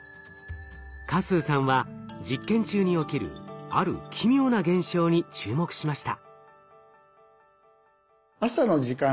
嘉数さんは実験中に起きるある奇妙な現象に注目しました。